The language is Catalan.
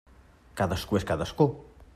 Cadascú és cadascú.